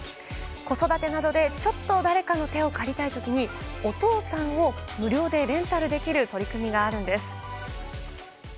子育てなどでちょっと誰かの手を借りたい時にお父さんを無料でレンタルできる取り組みがあるんです。